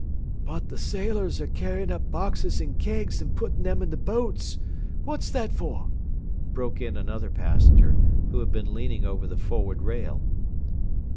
"But the sailors are carrying up boxes and kegs and putting them in the boats; what's that for?" broke in another passenger, who had been leaning over the forward rail.